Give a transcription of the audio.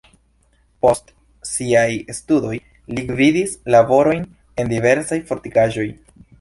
Post siaj studoj li gvidis laborojn en diversaj fortikaĵoj.